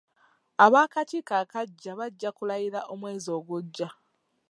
Ab'akakiiko akaggya bajja kulayira omwezi ogujja.